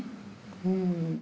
うん。